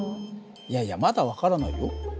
いやいやまだ分からないよ。